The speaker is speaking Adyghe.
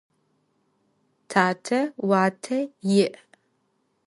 Tate vuate yi'.